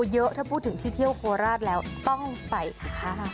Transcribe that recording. เยอะถ้าพูดถึงที่เที่ยวโคราชแล้วต้องไปค่ะ